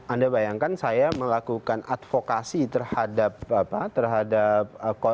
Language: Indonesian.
anda bayangkan saya melakukan advokasi terhadap apa terhadap